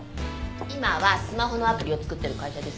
今はスマホのアプリを作ってる会社ですよ。